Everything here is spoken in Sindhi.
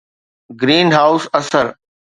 گرين هائوس اثر